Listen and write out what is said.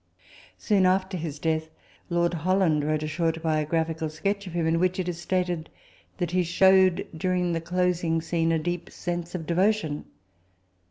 Soon after his death, Lord Holland wrote a short biographical sketch of him, in which it is stated that he showed during the closing scene a deep sense of devotion.